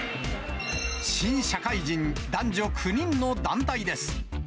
新社会人、男女９人の団体です。